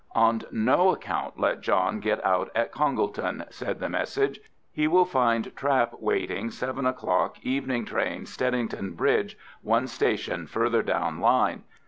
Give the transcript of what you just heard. "On no account let John get out at Congleton," said the message. "He will find trap waiting seven o'clock evening train Stedding Bridge, one station further down line.